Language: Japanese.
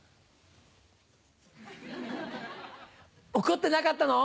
怒ってなかったの？